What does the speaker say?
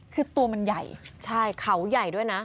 คือตัวมันใหญ่ใช่เขาใหญ่ด้วยนะ